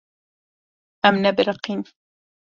Em nebiriqîn.